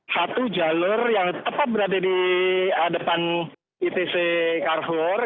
satu jalur yang tetap berada di depan itc carrefour